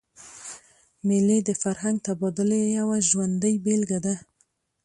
مېلې د فرهنګي تبادلې یوه ژوندۍ بېلګه ده.